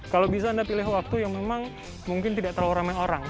kalau bisa anda pilih waktu yang memang mungkin tidak terlalu ramai orang